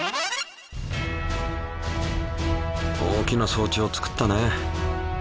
大きな装置を造ったね。